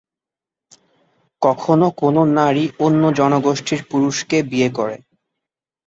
কখনো কোনো নারী অন্য জনগোষ্ঠীর পুরুষকে বিয়ে করে।